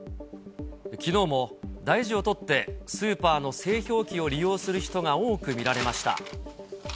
きのうも大事を取ってスーパーの製氷機を利用する人が多く見られました。